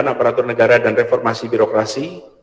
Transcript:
kemudian peraturan negara dan reformasi birokrasi